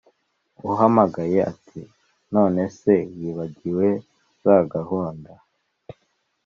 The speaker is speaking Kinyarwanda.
uhamagaye ati”nonece wibagiwe zagahunda